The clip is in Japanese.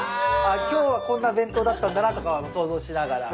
今日はこんな弁当だったんだなとか想像しながら。